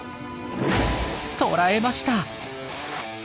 捕らえました！